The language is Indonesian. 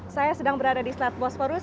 saya sedang berada di sanatbosforus